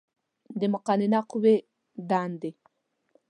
د مقننه قوې دندې